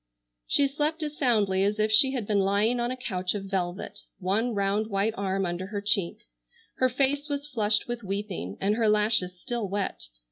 She slept as soundly as if she had been lying on a couch of velvet, one round white arm under her cheek. Her face was flushed with weeping, and her lashes still wet.